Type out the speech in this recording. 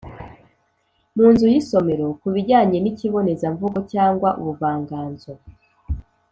mu nzu y’isomero ku bijyanye n’ikibonezamvugo cyangwaubuvanganzo